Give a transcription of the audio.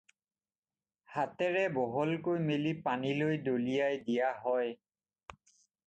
হাতেৰে বহলকৈ মেলি পানীলৈ দলিয়াই দিয়া হয়।